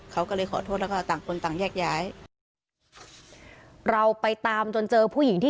เขาก็เลยขอโทษแล้วก็ต่างคนต่างแยกย้าย